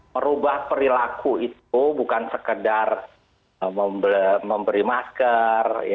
merubah perilaku itu bukan sekedar memberi masker